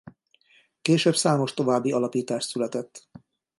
Később számos további alapítás született.